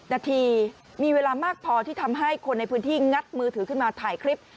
นาทีมีเวลามากพอที่ทำให้คนในพื้นที่งัดมือถือขึ้นมาถ่ายคลิป